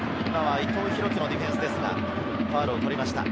伊藤洋輝のディフェンスですが、ファウルを取りました。